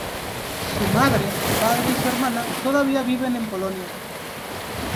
Su madre, padre y su hermana todavía viven en Polonia.